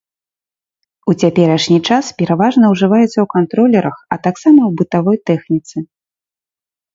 У цяперашні час пераважна ўжываецца ў кантролерах, а таксама ў бытавой тэхніцы.